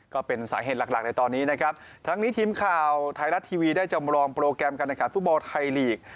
ก็เป็นสาเหตุหลักหลักในตอนนี้นะครับทั้งนี้ทีมข่าวไทยรัฐทีวีได้จำลองโปรแกรมการแข่งขันฟุตบอลไทยลีก